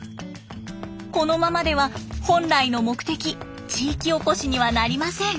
このままでは本来の目的地域おこしにはなりません。